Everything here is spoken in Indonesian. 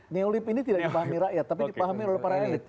neolib ini tidak dipahami rakyat tapi dipahami oleh para elit